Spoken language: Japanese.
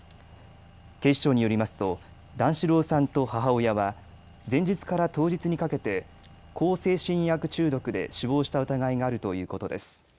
警視庁によりますと段四郎さんと母親は前日から当日にかけて向精神薬中毒で死亡した疑いがあるということです。